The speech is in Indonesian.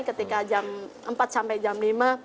ketika jam empat sampai jam lima